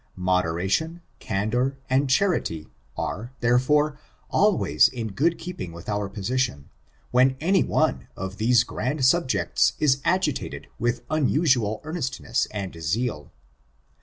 Moderation, candor, and charity, are, therefore, always in good keeping with our position, when any one of these grand subjects is agitated with unusual earnestness and zeal.